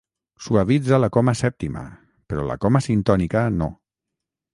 Suavitza la coma sèptima, però la coma sintònica no.